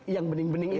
yang bening bening itu